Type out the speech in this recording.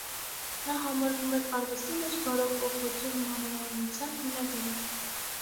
Նա համարվում է արվեստի մեջ բարոկկո ոճի, մաներայնության հիմնադիրը։